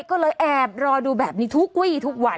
ก็เลยแอบรอดูแบบนี้ทุกวีทุกวัน